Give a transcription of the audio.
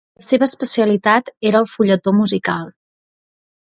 La seva especialitat era el fulletó musical.